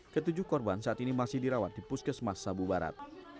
ketujuh korban saat ini masih dirawat di puskesmas sabu barat